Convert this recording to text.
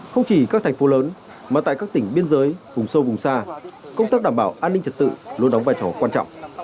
không chỉ các thành phố lớn mà tại các tỉnh biên giới vùng sâu vùng xa công tác đảm bảo an ninh trật tự luôn đóng vai trò quan trọng